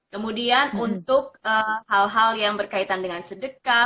kemudian untuk hal hal yang berkaitan dengan sedekah